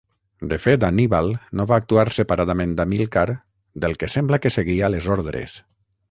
De fet Anníbal no va actuar separadament d'Amílcar del que sembla que seguia les ordres.